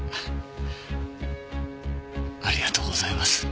ありがとうございます。